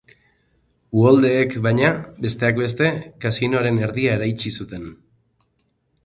Uholdeek, baina, besteak beste, kasinoaren erdia eraitsi zuten.